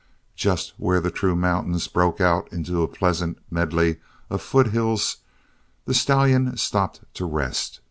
Just where the true mountains broke out into a pleasant medley of foothills, the stallion stopped to rest.